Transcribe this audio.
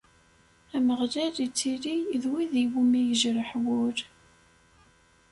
Ameɣlal ittili d wid iwumi yejreḥ wul.